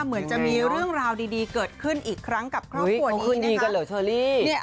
เหมือนจะมีเรื่องราวดีเกิดขึ้นอีกครั้งกับครอบครัวเนี่ย